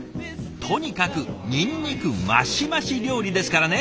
とにかくニンニクマシマシ料理ですからね。